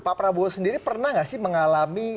pak prabowo sendiri pernah nggak sih mengalami